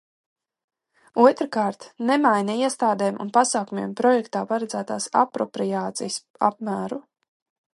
Otrkārt, nemaina iestādēm un pasākumiem projektā paredzētās apropriācijas apmēru.